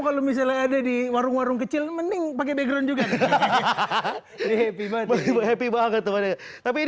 kalau misalnya ada di warung warung kecil mending pakai background juga hahaha tapi